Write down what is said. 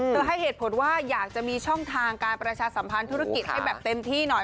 เธอให้เหตุผลว่าอยากมีช่องทางประชาสัมพันธุรกิจให้เต็มที่หน่อย